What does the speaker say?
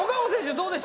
どうでした？